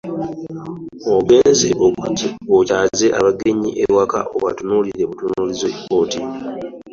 Ogenze okyaze abagenyi awaka obatunuulire butunuulizi oti.